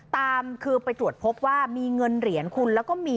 ตามคือไปตรวจพบว่ามีเงินเหรียญคุณ